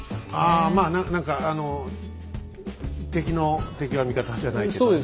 あまあ何かあの敵の敵は味方じゃないけど。